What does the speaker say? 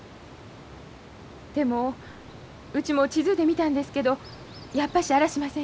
でもうちも地図で見たんですけどやっぱしあらしませんよ